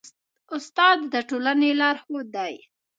استاد د ټولني لارښود دی.